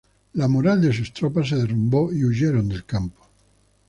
La moral de sus tropas se derrumbó y huyeron del campo.